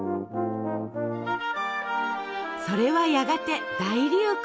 それはやがて大流行。